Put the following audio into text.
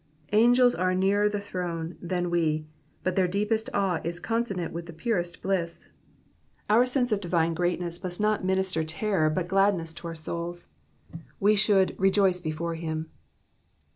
Angels are nearer the throne than we, but their deepest awe is consonant with the purest bliss ; our sense of divine greatness must not minister terror but gladness to our souls ; we should rejoice before him.''